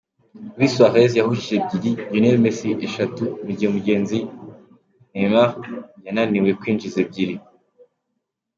Luis Suarez yahushije ebyiri, Lionel Messi eshatu mu gihe mugenzi Neymar yananiwe kwinjiza ebyiri.